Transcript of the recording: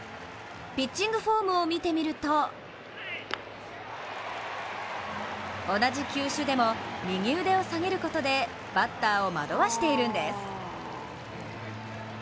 ピッチングフォームを見てみると、同じ球種でも右腕を下げることでバッターを惑わせているんです。